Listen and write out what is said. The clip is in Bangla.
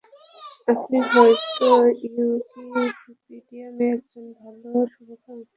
আপনি হয়তো উইকিপিডিয়ার একজন ভালো শুভাকাঙ্ক্ষী।